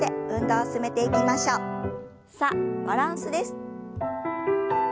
さあバランスです。